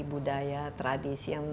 budaya tradisi yang